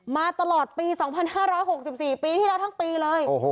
มาตลอดปี๒๕๖๔ปีที่แล้วทั้งปีเลย